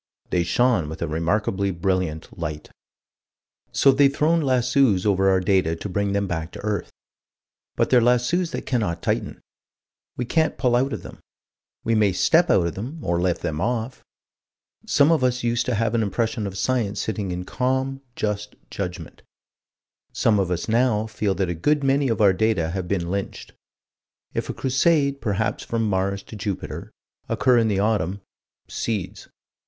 "They shone with a remarkably brilliant light." So they've thrown lassos over our data to bring them back to earth. But they're lassos that cannot tighten. We can't pull out of them: we may step out of them, or lift them off. Some of us used to have an impression of Science sitting in calm, just judgment: some of us now feel that a good many of our data have been lynched. If a Crusade, perhaps from Mars to Jupiter, occur in the autumn "seeds."